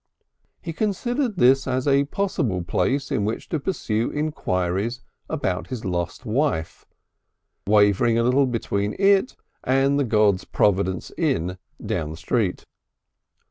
He considered this as a possible place in which to prosecute enquiries about his lost wife, wavering a little between it and the God's Providence Inn down the street.